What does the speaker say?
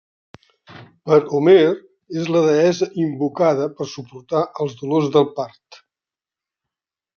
Per Homer és la deessa invocada per suportar els dolors del part.